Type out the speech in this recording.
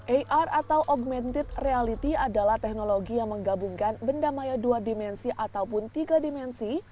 ar atau augmented reality adalah teknologi yang menggabungkan benda maya dua dimensi ataupun tiga dimensi